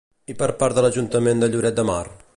I per part de l'Ajuntament de Lloret de Mar?